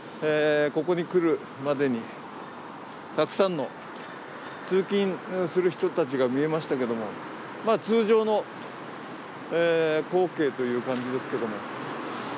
ここに来るまでにたくさんの通勤する人たちが見えましたけど通常の光景という感じですけども。